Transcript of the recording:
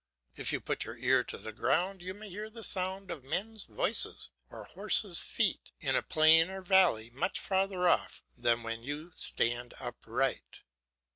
If you put your ear to the ground you may hear the sound of men's voices or horses' feet in a plain or valley much further off than when you stand upright.